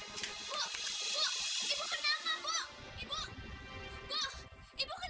kalau ada bapak kan ibu bisa dibawa ke rumah sakit